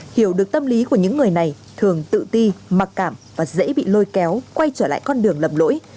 hiểu được tâm lý của những người này thường tự ti mặc cảm và dễ bị lôi kéo quay trở lại con đường lầm lỗi